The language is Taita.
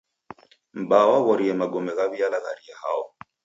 M'baa waghorie magome ghaw'ialagharia hao.